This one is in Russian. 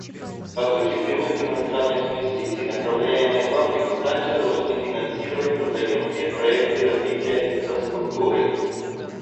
Потоки прямых иностранных инвестиций, направляемые в Африку, также должны финансировать трудоемкие проекты развития инфраструктуры.